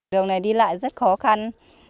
đường này đi lại rất khó khăn